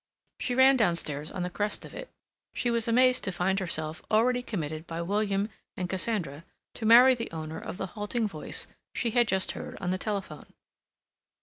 She ran downstairs on the crest of it. She was amazed to find herself already committed by William and Cassandra to marry the owner of the halting voice she had just heard on the telephone.